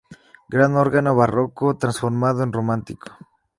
Gran órgano barroco, transformado en romántico.